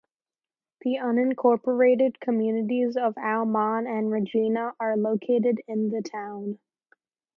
The unincorporated communities of Almon and Regina are located in the town.